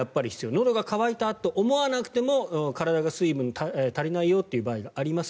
のどが渇いたと思わなくても体が水分足りないという場合があります。